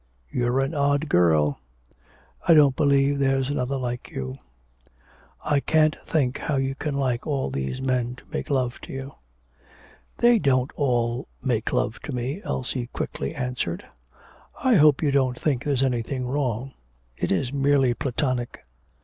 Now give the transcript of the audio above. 'You're an odd girl; I don't believe there's another like you.' 'I can't think how you can like all these men to make love to you.' 'They don't all make love to me,' Elsie answered quickly. 'I hope you don't think there's anything wrong. It is merely Platonic.'